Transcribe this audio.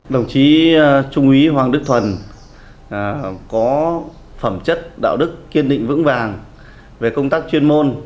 đồng chí trung úy hoàng đức thuần có phẩm chất đạo đức kiên định vững vàng về công tác chuyên môn